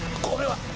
これは！